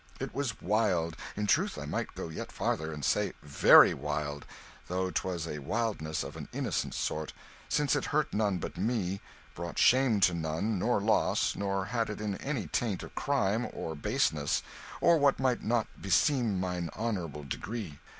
I was wild in troth I might go yet farther and say very wild, though 'twas a wildness of an innocent sort, since it hurt none but me, brought shame to none, nor loss, nor had in it any taint of crime or baseness, or what might not beseem mine honourable degree.